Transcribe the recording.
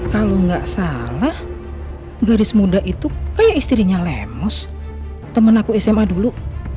kalau tidak salah garis muda itu seperti istrinya lemus teman aku sma dulu